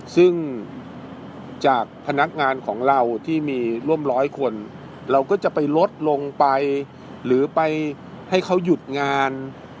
ซึ่งจากพนักงานของเราที่มีร่วมร้อยคนเราก็จะไปลดลงไปหรือไปให้เขาหยุดงาน